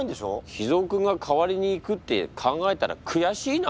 脾ぞうくんが代わりに行くって考えたら悔しいな。